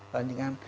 đó là những ăn